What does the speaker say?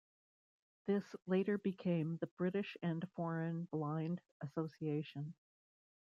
This later became the British and Foreign Blind Association.